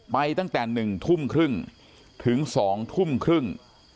ไปตั้งแต่๑ทุ่มครึ่งถึง๒ทุ่มครึ่ง